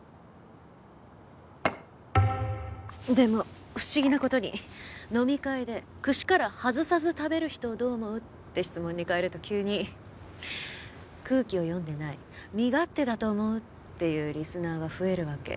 でも不思議な事に飲み会で串から外さず食べる人をどう思う？って質問に変えると急に「空気を読んでない」「身勝手だと思う」っていうリスナーが増えるわけ。